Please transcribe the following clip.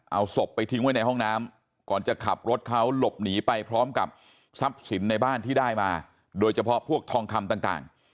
เอาศพไปทิ้งไว้ในห้องน้ำก่อนจะขับรถเขาหลบหนีไปพร้อมกับทรัพย์สินในบ้านที่ได้มาโดยเฉพาะพวกทองคำต่าง